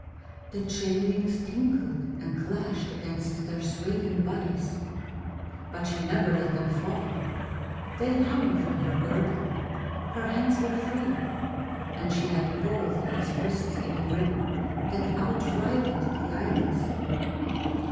The chain links tinkled and clashed against their swaying bodies, but she never let them fall; they hung from her girdle; her hands were free; and she had both his wrists in a grip that outrivaled the irons.